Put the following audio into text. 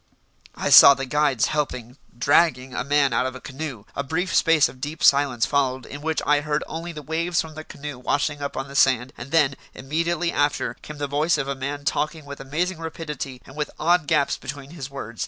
I saw the guides helping dragging a man out of a canoe. A brief space of deep silence followed in which I heard only the waves from the canoe washing up on the sand; and then, immediately after, came the voice of a man talking with amazing rapidity and with odd gaps between his words.